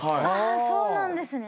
そうなんですね。